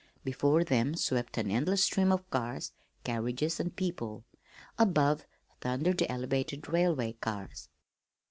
Before them swept an endless stream of cars, carriages, and people. Above thundered the elevated railway cars.